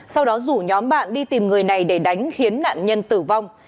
sau đó rủ nhóm bạn đi tìm người này để đánh khiến nạn nhân tử vong